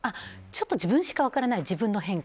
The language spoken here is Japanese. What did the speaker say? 自分しか分からない自分の変化。